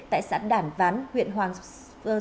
tại sản đàn ván huyện hoàng sơn